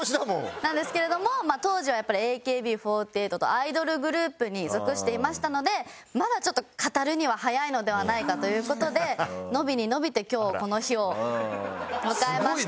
なんですけれども当時はやっぱりＡＫＢ４８アイドルグループに属していましたのでまだちょっと語るには早いのではないかという事で延びに延びて今日この日を迎えました。